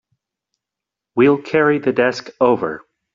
We'll carry the desk over.